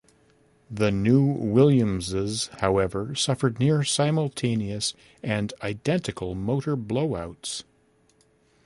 The new Williamses, however, suffered near-simultaneous and identical motor blow-outs.